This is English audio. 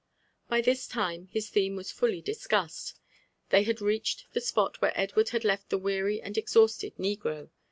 By the time tbia theme was fuHy dlseossed^ tbey bad reached the spot wbere Edward had left the weary and exhausted negro.